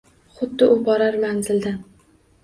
Xuddi u borar manzildan